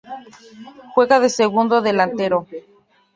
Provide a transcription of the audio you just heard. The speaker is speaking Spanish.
Juega de segundo delantero.